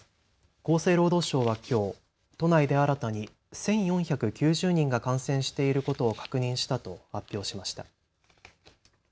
厚生労働省はきょう都内で新たに１４９０人が感染していることを確認したと発表しました。